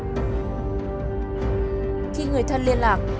khi người thân liên lạc